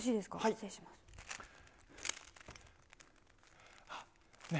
失礼します。ね？